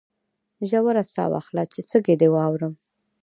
ژوره ساه واخله چې سږي دي واورم